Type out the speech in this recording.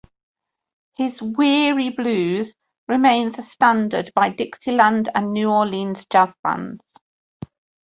His "Weary Blues" remains a standard by Dixieland and New Orleans jazz bands.